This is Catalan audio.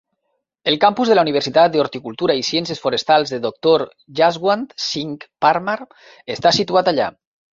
El campus de la Universitat de Horticultura i Ciències Forestals de Doctor Yashwant Singh Parmar està situat allà.